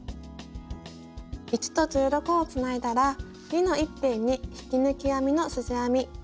１と１６をつないだら２の１辺に引き抜き編みのすじ編み。